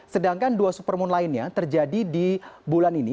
sedangkan dua supermoon lainnya terjadi di bulan ini